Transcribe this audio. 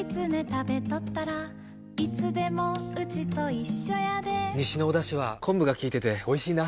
食べとったらいつでもウチと一緒やで西のおだしは昆布が効いてておいしいな。